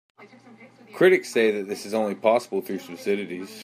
Critics say that this is only possible through subsidies.